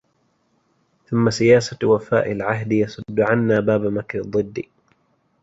ثم سياسة وفاء العهدِ يسد عنا باب مكر الضِّدِ